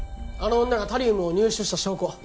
あの女がタリウムを入手した証拠